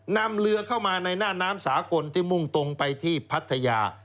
นำเรือเข้ามาในหน้าน้ำสากลที่มุ่งตรงไปที่พัทยา